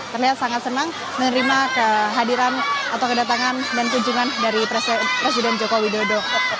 terlihat sangat senang menerima kehadiran atau kedatangan dan kunjungan dari presiden joko widodo